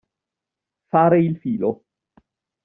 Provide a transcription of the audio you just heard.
Fare il filo.